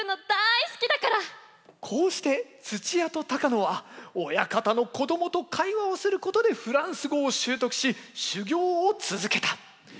僕こうして土屋と高野は親方の子供と会話をすることでフランス語を習得し修業を続けた。